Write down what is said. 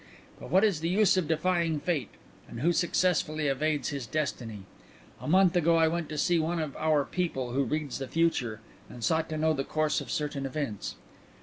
"But what is the use of defying fate, and who successfully evades his destiny? A month ago I went to see one of our people who reads the future and sought to know the course of certain events.